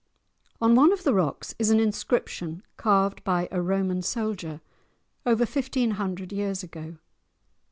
On one of the rocks is an inscription carved by a Roman soldier, over fifteen hundred years ago.